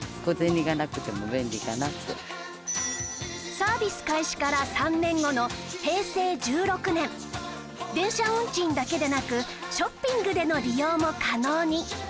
サービス開始から３年後の平成１６年電車運賃だけでなくショッピングでの利用も可能に